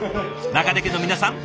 中出家の皆さん